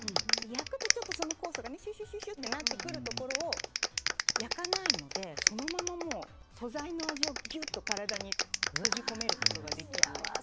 焼くと酵素がシュシュシュってなってくるところを焼かないのでそのまま素材の味をぎゅっと体に閉じ込めることができる。